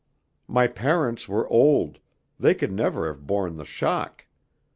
My parents were old; they could never have borne the shock.